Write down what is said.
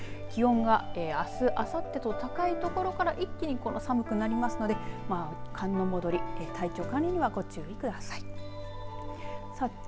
気温があす、あさってと高い所から一気に寒くなりますので寒の戻り、体調管理にはご注意ください。